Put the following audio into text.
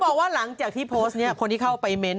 บอกว่าหลังจากที่โพสต์นี้คนที่เข้าไปเม้นต